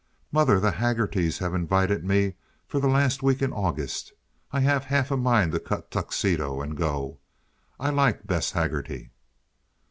"Mother, the Haggertys have invited me for the last week in August. I have half a mind to cut Tuxedo and go. I like Bess Haggerty."